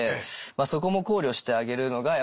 そこも考慮してあげるのがやっぱり。